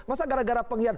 masa gara gara pengkhianat